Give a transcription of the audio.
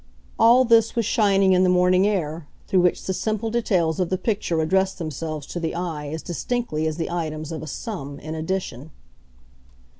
All this was shining in the morning air, through which the simple details of the picture addressed themselves to the eye as distinctly as the items of a "sum" in addition.